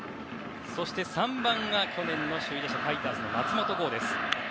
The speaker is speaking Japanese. そして３番が去年の首位打者ファイターズの松本剛です。